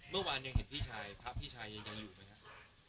เมื่อวานยังเห็นพี่ชายพระพี่ชายยังอยู่ไหมครับ